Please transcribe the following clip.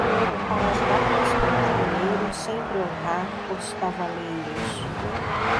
Para as barbas com dinheiro sempre honrar os cavaleiros.